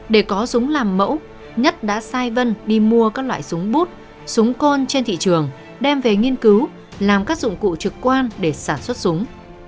để có súng làm mẫu nhất đã sai vân đi mua các loại súng bút súng con trên thị trường đem về nghiên cứu làm các dụng cụ trực quan để sản xuất súng